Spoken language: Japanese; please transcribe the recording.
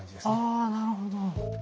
あなるほど。